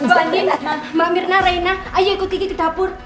mbak andin mbak mirna reina ayo ikut kiki ke dapur